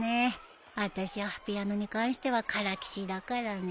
あたしはピアノに関してはからきしだからね。